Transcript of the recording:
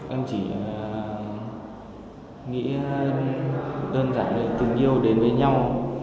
em chỉ nghĩ đơn giản tình yêu đến với nhau